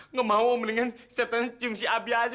nggak mau om mendingan setannya cium si abi aja